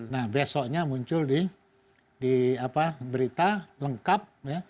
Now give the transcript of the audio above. nah besoknya muncul di berita lengkap